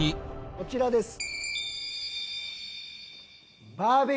こちらです。